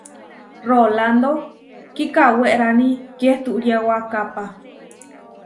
Rolándo kikawérani kiehturiawakápa.